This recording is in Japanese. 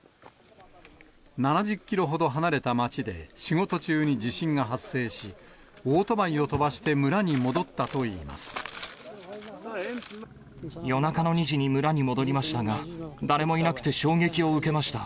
７０キロほど離れた町で、仕事中に地震が発生し、オートバイを飛夜中の２時に村に戻りましたが、誰もいなくて衝撃を受けました。